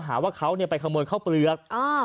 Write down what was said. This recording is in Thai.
หาว่าเขาไปขโมยข้าวเปลือก